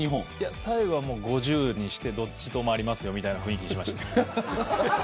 最後は５０にしてどっちともありますみたいな雰囲気にしました。